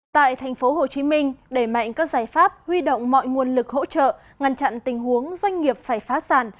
tại tp hcm đẩy mạnh các giải pháp huy động mọi nguồn lực hỗ trợ ngăn chặn tình huống doanh nghiệp phải phá sản